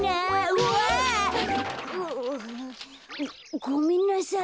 うわ。ごめんなさい。